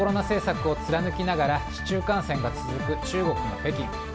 政策を貫きながら市中感染が続く中国の北京。